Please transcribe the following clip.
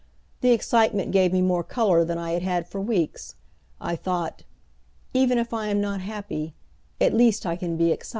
The excitement gave me more color than I had had for weeks. I thought, "Even if I am not happy, at least I can be excited."